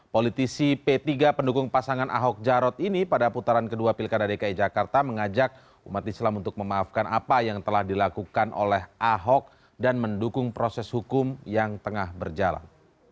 politisi p tiga pendukung pasangan ahok jarot ini pada putaran kedua pilkada dki jakarta mengajak umat islam untuk memaafkan apa yang telah dilakukan oleh ahok dan mendukung proses hukum yang tengah berjalan